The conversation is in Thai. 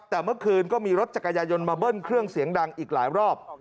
แต่เมื่อคืนก็มีรถจักรยายนมาเบิ้ลเครื่องเสียงดังอีกหลายรอบ